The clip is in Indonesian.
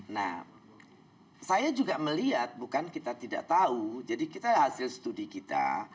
nah saya juga melihat bukan kita tidak tahu jadi kita hasil studi kita